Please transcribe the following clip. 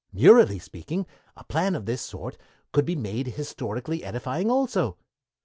"Murally speaking, a plan of this sort could be made historically edifying also.